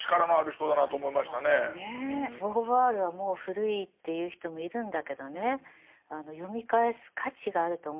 ボーヴォワールはもう古いって言う人もいるんだけどね読み返す価値があると思います。